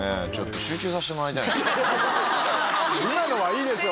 今のはいいでしょ？